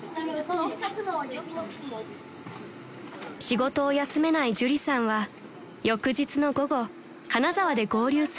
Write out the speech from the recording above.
［仕事を休めない朱里さんは翌日の午後金沢で合流する予定］